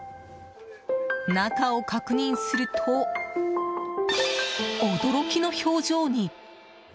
中を確認すると、驚きの表情に。